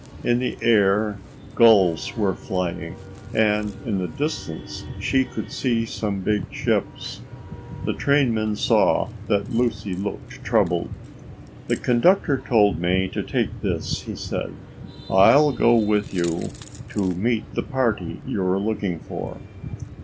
In the air, gulls were flying, and in the distance she could see some big ships. The trainman saw that Lucy looked troubled. "The conductor told me to take this," he said. "I'll go with you to meet the party you are looking for."